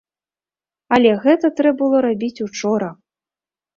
Але гэта трэ было рабіць учора.